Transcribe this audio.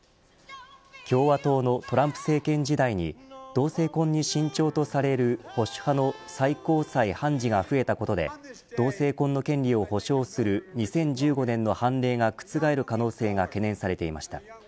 共和党のトランプ政権時代に同性婚に慎重とされる保守派の最高裁判事が増えたことで同性婚の権利を保障する２０１５年の判例が覆る可能性が懸念されていました。